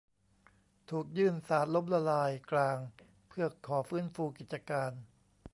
ถูกยื่นศาลล้มละลายกลางเพื่อขอฟื้นฟูกิจการ